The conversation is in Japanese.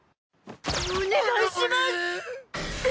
お願いします！